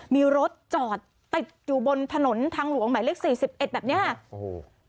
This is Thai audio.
มีรถจอดติดอยู่บนถนนทางหลวงหมายเลขสี่สิบเอ็ดแบบเนี้ยโอ้โห